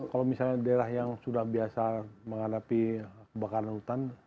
kalau misalnya daerah yang sudah biasa menghadapi kebakaran hutan